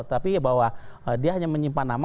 tapi bahwa dia hanya menyimpan nama